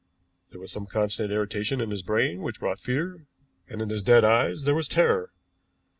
There was some constant irritation in his brain which brought fear, and in his dead eyes there was terror.